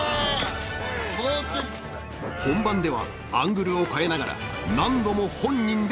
もうちょい本番ではアングルを変えながら何度も本人で